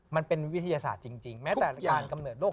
มันเป็นวิทยาศาสตร์จริงแม้แต่การกำเนิดโรค